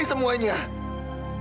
aku sudah ngeri